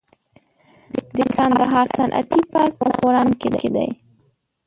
د کندهار صنعتي پارک په ښوراندام کې دی